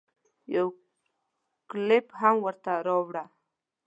يو کولپ هم ورته راوړه.